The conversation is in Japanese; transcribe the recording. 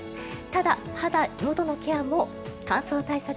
ただ、肌、のどのケア乾燥対策